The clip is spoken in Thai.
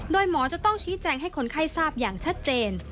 โดยหมอจะต้องชี้แจงให้คนไข้ทราบอย่างชัดเจน